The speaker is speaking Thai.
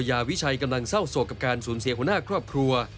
ยาวิชัยกำลังเศร้าโศกกับการสูญเสียหัวหน้าครอบครัว